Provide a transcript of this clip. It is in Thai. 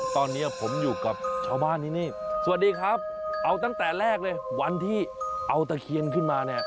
ตอนนี้ผมอยู่กับชาวบ้านที่นี่สวัสดีครับเอาตั้งแต่แรกเลยวันที่เอาตะเคียนขึ้นมาเนี่ย